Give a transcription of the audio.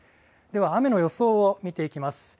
では雨の予想を見ていきます。